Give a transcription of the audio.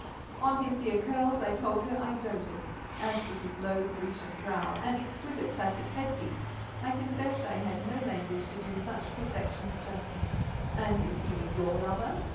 On his dear curls, I told her I doated: and as to his low, Grecian brow, and exquisite classic headpiece, I confessed I had no language to do such perfections justice. "And if he were your lover?"